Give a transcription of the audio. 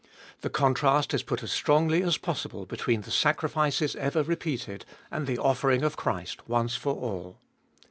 The contrast is put as strongly as possible between the sacrifices ever repeated, and the offering of Christ once for all.